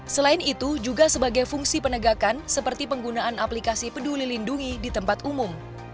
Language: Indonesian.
selain itu juga sebagai fungsi penegakan seperti penggunaan aplikasi peduli lindungi di tempat umum